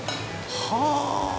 はあ！